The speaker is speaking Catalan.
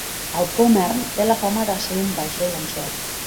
El "Pommern" té la fama de ser un "vaixell amb sort".